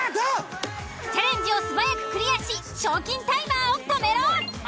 チャレンジをすばやくクリアし賞金タイマーを止めろ！